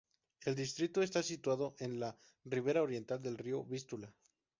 El distrito está situado en la ribera oriental del río Vístula.